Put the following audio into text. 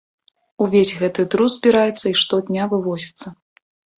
Увесь гэты друз збіраецца і штодня вывозіцца.